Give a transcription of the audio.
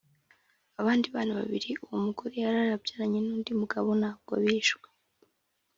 abandi bana babiri uwo mugore yari yarabyaranye n’undi mugabo ntabwo bishwe